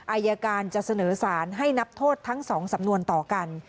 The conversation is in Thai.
อายการจะเสนอสารให้นับโทษทั้ง๒สำนวนต่อกัน